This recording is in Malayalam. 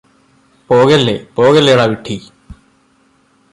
പോകല്ലേ പോകല്ലേടാ വിഡ്ഢീ